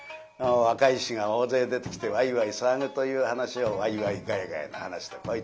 若い衆が大勢出てきてワイワイ騒ぐという噺をワイワイガヤガヤの噺とこう言ってました。